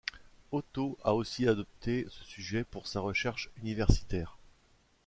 Otto a aussi adopté ce sujet pour sa recherche universitaire.